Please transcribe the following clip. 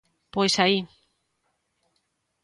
Pois aí.